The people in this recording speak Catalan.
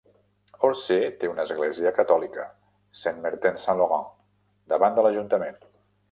Orsay té una església catòlica: Saint-Martin - Saint-Laurent, davant de l'ajuntament.